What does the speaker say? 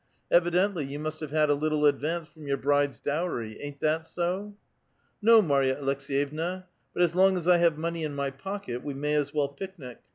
Evidently you must have had a little advance from your bride's dowry, ain't that so ?"" No, Marya Aleks^yevna ; but as long as I have money in my pocket, we may as well picnic.